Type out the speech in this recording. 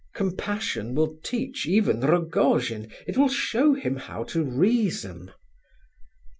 Compassion will teach even Rogojin, it will show him how to reason.